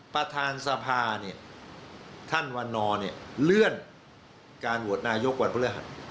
ประธานสภาท่านวันนอลเลื่อนการหัวหน้ายกว่าพฤหัส